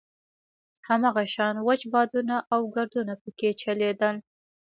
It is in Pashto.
هماغه شان وچ بادونه او ګردونه په کې چلېدل.